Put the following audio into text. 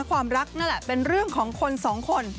ความรักนั่นแหละเป็นเรื่องของคนสองคน